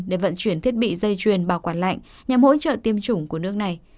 để vận chuyển thiết bị dây chuyền bảo quản lạnh nhằm hỗ trợ tiêm chủng của nước này